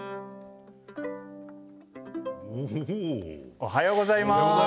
おはようございます。